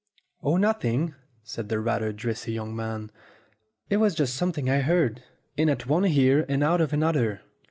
"Oh, nothing," said the rather dressy young man. "It was just something I heard in at one ear and out of another."